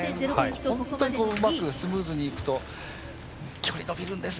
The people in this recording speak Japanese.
本当にうまくスムーズにいくと距離、伸びるんですがね。